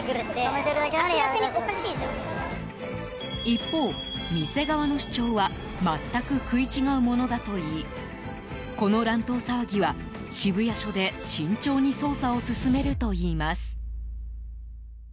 一方、店側の主張は全く食い違うものだといいこの乱闘騒ぎは、渋谷署で慎重に捜査を進めるといいます。